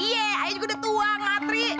iya aku udah tuang latri